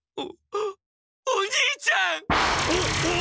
おおにいちゃん！？